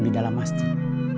di dalam masjid